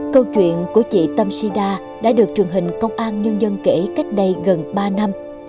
câu chuyện của chị tâm shida đã được truyền hình công an nhân dân kể cách đây gần ba năm